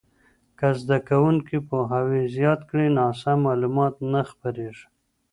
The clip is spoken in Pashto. که زده کوونکي پوهاوی زیات کړي، ناسم معلومات نه خپرېږي.